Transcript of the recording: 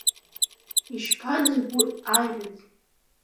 Ишԥазыбуи аирыӡ?